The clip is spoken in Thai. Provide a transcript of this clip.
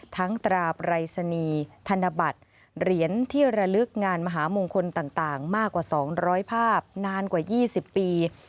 ตราปรายศนีย์ธนบัตรเหรียญที่ระลึกงานมหามงคลต่างมากกว่า๒๐๐ภาพนานกว่า๒๐ปี